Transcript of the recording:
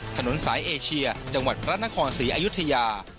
ถนนสายเอเชียจังหวัดพระนครศรีอยุธยา